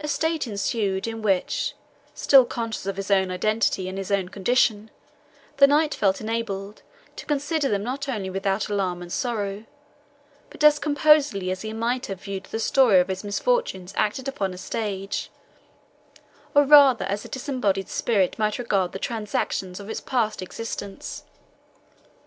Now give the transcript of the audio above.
A state ensued in which, still conscious of his own identity and his own condition, the knight felt enabled to consider them not only without alarm and sorrow, but as composedly as he might have viewed the story of his misfortunes acted upon a stage or rather as a disembodied spirit might regard the transactions of its past existence.